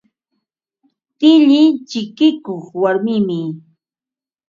Tilli chikikuq warmimi.